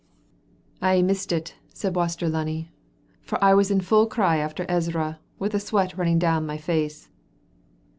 "I missed it," said Waster Lunny, "for I was in full cry after Ezra, with the sweat running down my face."